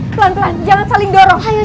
pelan pelan jangan saling dorong ayo